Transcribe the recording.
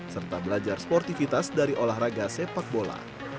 serta belajar sportivitas dari olahraga sepak bola